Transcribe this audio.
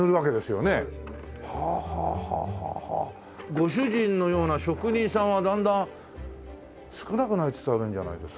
ご主人のような職人さんはだんだん少なくなりつつあるんじゃないですか？